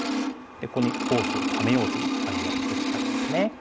ここにフォースをためようという感じの打ち方ですね。